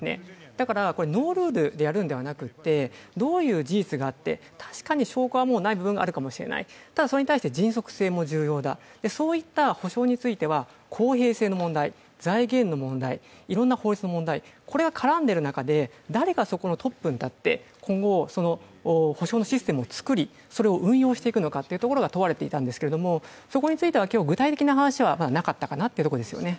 だからノールールでやるのではなくてどういう事実があって、確かに証拠はもうない部分もあるかもしれないただ、それに対して迅速性も重要だ、そういった補償については、公平性の問題、財源の問題、いろんな法律の問題、これが絡んでいる中で、誰がそこのトップに立って、今後補償のシステムを作り、それを運用していくのかが問われていたんですけど、そこについては今日、具体的な話はなかったかなというところですね。